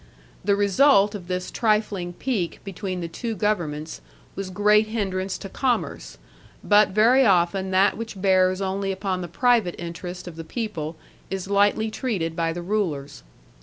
The result of this trifling pique between the two governments was great hindrance to commerce, but very often that which bears only upon the private interest of the people is lightly treated by the rulers.